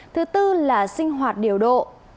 thứ tư là sinh hoạt điều độ